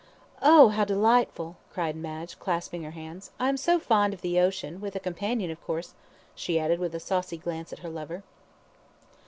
"Oh, how delightful," cried Madge, clasping her hands. "I am so fond of the ocean with a companion, of course," she added, with a saucy glance at her lover.